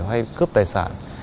hay cướp tài sản